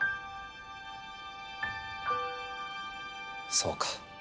そうか。